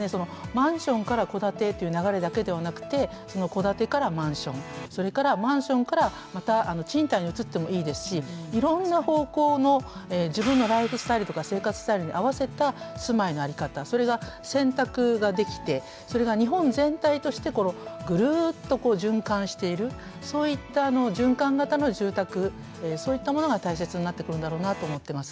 マンションから戸建てという流れだけではなくて戸建てからマンションそれからマンションからまた賃貸に移ってもいいですしいろんな方向の自分のライフスタイルとか生活スタイルに合わせた住まいの在り方それが選択ができてそれが日本全体としてぐるっと循環しているそういった循環型の住宅そういったものが大切になってくるんだろうなと思ってます。